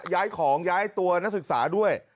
ย้ายของย้ายตัวนักศึกษาด้วย